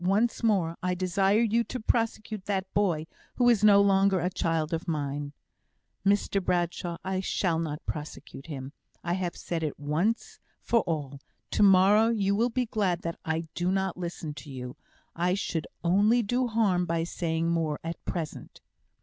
Once more, I desire you to prosecute that boy, who is no longer a child of mine." "Mr Bradshaw, I shall not prosecute him. I have said it once for all. To morrow you will be glad that I do not listen to you. I should only do harm by saying more at present."